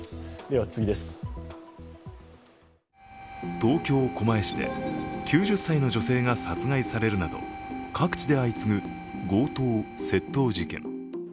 東京・狛江市で９０歳の女性が殺害されるなど各地で相次ぐ強盗・窃盗事件。